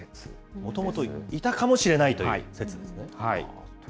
もともと、いたかもしれないという説ですね。